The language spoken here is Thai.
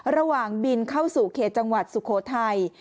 ระหว่างบินเข้าสู่เขตจังหวัดสุโขทัย